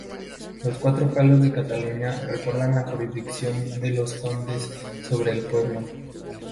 Los cuatro palos de Cataluña recuerdan la jurisdicción de los condes sobre el pueblo.